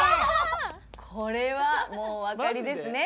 これはもうお分かりですね